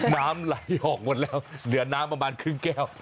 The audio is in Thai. น้ำไหลออกหมดแล้วเหลือน้ำประมาณครึ่งแก้ว